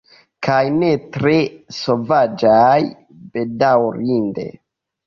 Kaj ne tre sovaĝaj, bedaŭrinde.